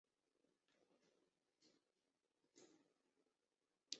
奥蒂戈为位在美国堪萨斯州朱厄尔县的非建制地区。